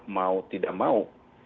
mau tidak mau